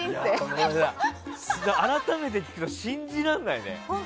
改めて聞くと信じられないね。